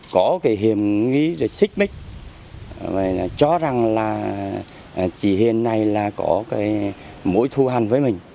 có hiểm nghĩ xích mích cho rằng là chỉ hiện nay có mỗi thu hành với mình